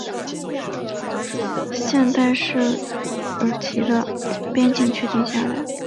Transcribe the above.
现代土耳其的边境确定下来。